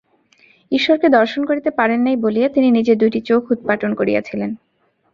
ঈশ্বরকে দর্শন করিতে পারেন নাই বলিয়া তিনি নিজের দুইটি চোখ উৎপাটন করিয়াছিলেন।